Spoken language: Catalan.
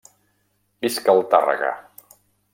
Visca el Tàrrega!